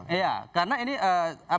kawan strategis nasional ya